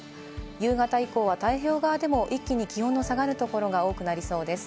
夕方以降は太平洋側でも一気に気温が下がる所が多くなりそうです。